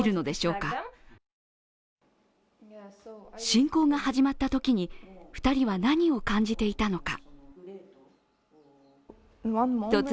侵攻が始まったときに２人は何を感じていたのか。